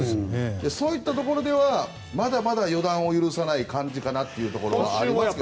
そういったところではまだまだ予断を許さない感じかなというところがありますね。